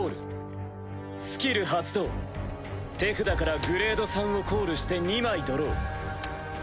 スキル発動手札からグレード３をコールして２枚ドロー。